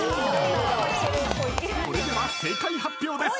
［それでは正解発表です］